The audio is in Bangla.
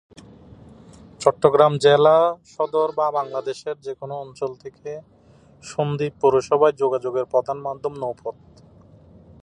চট্টগ্রাম জেলা সদর বা বাংলাদেশের যে কোন অঞ্চল থেকে সন্দ্বীপ পৌরসভায় যোগাযোগের প্রধান মাধ্যম নৌপথ।